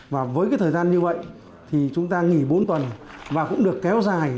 và với cái thời gian như vậy thì chúng ta nghỉ bốn tuần và cũng được kéo dài